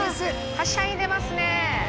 はしゃいでますね。